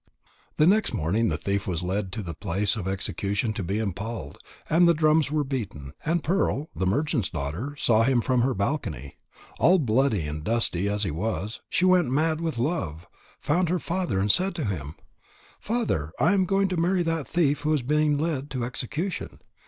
The next morning the thief was led to the place of execution to be impaled, and the drums were beaten. And Pearl, the merchant's daughter, saw him from her balcony. All bloody and dusty as he was, she went mad with love, found her father, and said to him: "Father, I am going to marry that thief who is being led to execution.